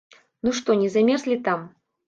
Ну што, не замерзлі там?